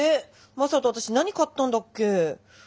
正門私何買ったんだっけ？